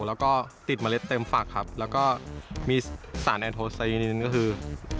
แล้วก็ติดเมล็ดเต็มฝักครับแล้วก็มีสารแอนโทสยูนินก็คือ